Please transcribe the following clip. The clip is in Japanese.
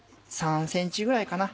３ｃｍぐらいかな